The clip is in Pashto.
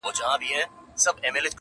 همدم نه سو د یو ښکلي د ښکلو انجمن کي,